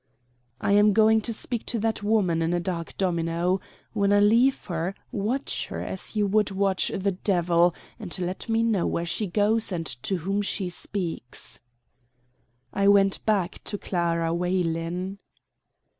"I am going to speak to that woman in a dark domino. When I leave her watch her as you would watch the devil, and let me know where she goes and to whom she speaks." I went back to Clara Weylin.